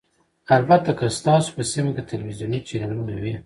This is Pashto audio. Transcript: البته که ستاسو په سیمه کې تلویزیوني چینلونه وي